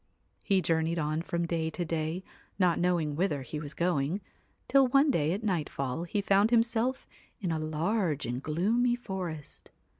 He journeyed on from day to day, not knowing whither he was going, till one day at nightfall he found himself in a large and gloomy forest.